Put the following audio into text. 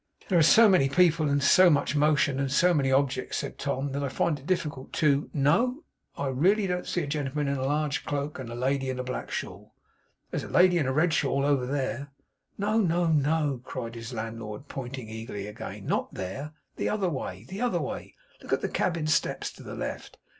'There are so many people, and so much motion, and so many objects,' said Tom, 'that I find it difficult to no, I really don't see a gentleman in a large cloak, and a lady in a black shawl. There's a lady in a red shawl over there!' 'No, no, no!' cried his landlord, pointing eagerly again, 'not there. The other way; the other way. Look at the cabin steps. To the left.